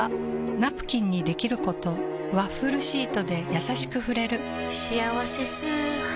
ナプキンにできることワッフルシートでやさしく触れる「しあわせ素肌」